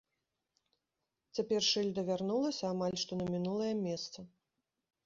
Цяпер шыльда вярнулася амаль што на мінулае месца.